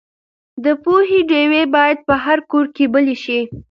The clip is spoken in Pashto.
د پوهې ډیوې باید په هر کور کې بلې شي.